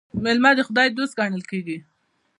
میلمه د خدای دوست ګڼل کیږي.